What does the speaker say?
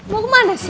mau kemana sih